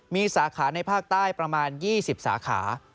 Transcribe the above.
มีสาขาในภาคใต้ประมาณ๒๐สาขา